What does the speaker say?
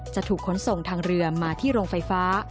จะถูกขนส่งทางเรือมาที่โรงไฟฟ้า